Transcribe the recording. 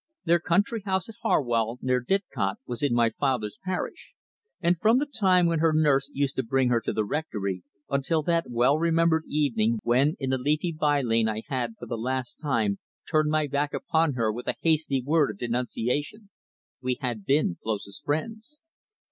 Their country house at Harwell, near Didcot, was in my father's parish, and from the time when her nurse used to bring her to the Rectory until that well remembered evening when in the leafy by lane I had for the last time turned my back upon her with a hasty word of denunciation, we had been closest friends.